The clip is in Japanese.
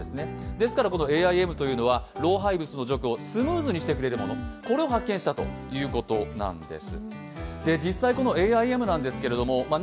ですからＡＩＭというものは老廃物の除去をスムーズにしてくれるものを発見したということなんです。